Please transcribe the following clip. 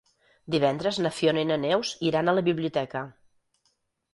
Divendres na Fiona i na Neus iran a la biblioteca.